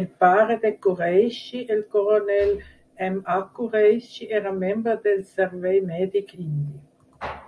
El pare de Kureishi, el coronel MA Kureishi, era membre del Servei Mèdic Indi.